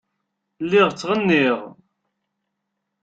Lliɣ ttɣenniɣ.